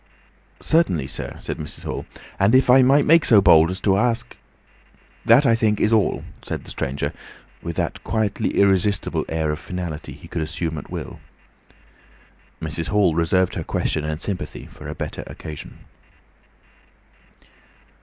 "Certainly, sir," said Mrs. Hall. "And if I might make so bold as to ask—" "That I think, is all," said the stranger, with that quietly irresistible air of finality he could assume at will. Mrs. Hall reserved her question and sympathy for a better occasion.